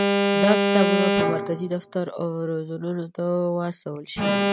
دا کتابونه به مرکزي دفتر او زونونو ته واستول شي.